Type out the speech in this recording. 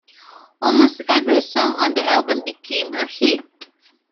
Almost every song on the album became a hit.